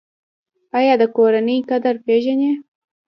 ایا د کورنۍ قدر پیژنئ؟